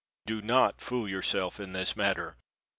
Do not fool yourself in this manner.